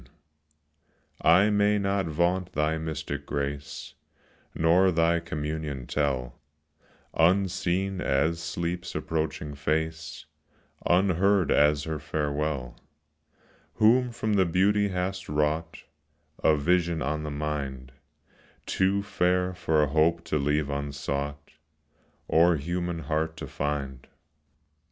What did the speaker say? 28 POESY. I may not vaunt thy mystic grace Nor thy communion tell, Unseen as Sleep's approaching face, Unheard as her farewell Who from the beautiful hast wrought A vision on the mind Too fair for Hope to leave unsought Or human heart to find.